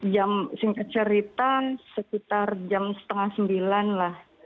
jam singkat cerita sekitar jam setengah sembilan lah